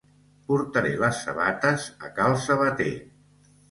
Portaré les sabates a cal sabater